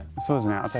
そうですね。